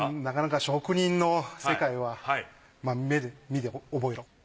なかなか職人の世界は目で見て覚えろ。